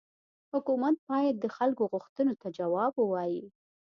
حکومت باید د خلکو غوښتنو ته جواب ووايي.